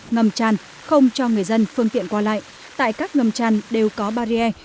ngầm tràn không cho người dân phương tiện qua lại tại các ngầm tràn đều có barrier